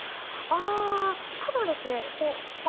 あただですね。